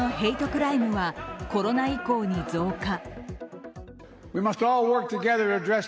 クライムはコロナ以降に増加。